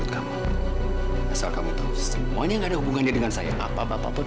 kok jadi aneh suasananya